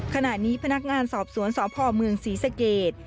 ขณะนี้พนักงานสอบสวนสพเมืองศรีสเกต